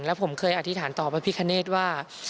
แล้วผมเคยอธิษฐานต่อพระพิคเนธว่า